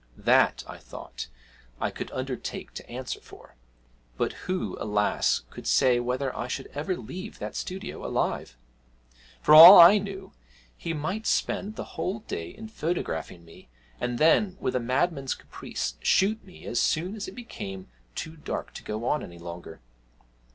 That, I thought, I could undertake to answer for; but who, alas! could say whether I should ever leave that studio alive? For all I knew, he might spend the whole day in photographing me, and then, with a madman's caprice, shoot me as soon as it became too dark to go on any longer!